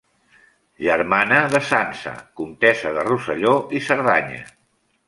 Germana de Sança, comtessa de Rosselló i Cerdanya.